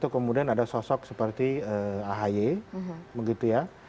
kemudian ada sosok seperti ahy begitu ya